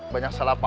banyak salah paham